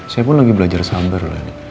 saya pun lagi belajar sabar loh ini